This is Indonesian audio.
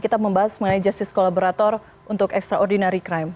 kita membahas mengenai justice collaborator untuk extraordinary crime